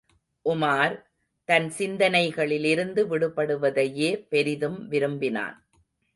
உமார், தன் சிந்தனைகளிலிருந்து விடுபடுவதையே பெரிதும் விரும்பினான்.